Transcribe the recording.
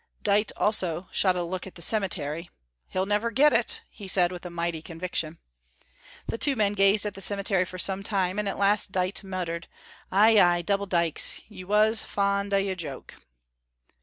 Dite also shot a look at the cemetery. "He'll never get it," he said, with mighty conviction. The two men gazed at the cemetery for some time, and at last Dite muttered, "Ay, ay, Double Dykes, you was aye fond o' your joke!"